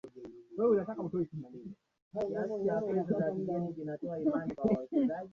wa Marekani uliwezesha ushindi wa mataifa ya ushirikiano